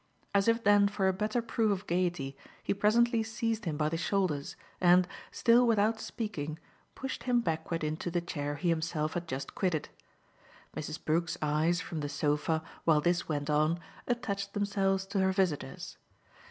As if then for a better proof of gaiety he presently seized him by the shoulders and, still without speaking, pushed him backward into the chair he himself had just quitted. Mrs. Brook's eyes, from the sofa, while this went on, attached themselves to her visitors.